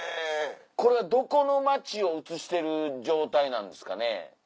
これはどこの街を映してる状態なんですかね？